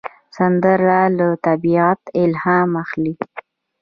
سندره له طبیعت الهام اخلي